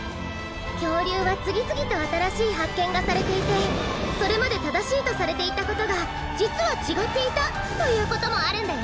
きょうりゅうはつぎつぎとあたらしいはっけんがされていてそれまでただしいとされていたことがじつはちがっていたということもあるんだよ！